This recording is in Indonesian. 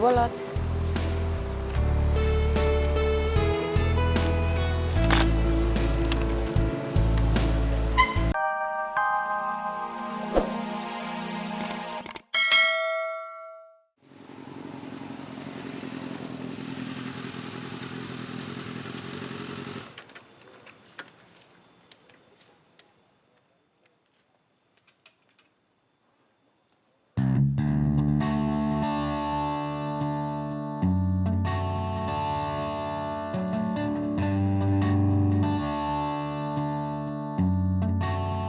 oke dah bolot